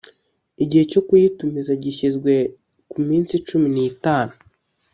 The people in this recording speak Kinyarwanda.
igihe cyo kuyitumiza gishyizwe ku minsi cumi n itanu